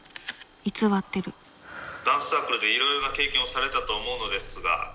偽ってる「ダンスサークルでいろいろな経験をされたと思うのですが」。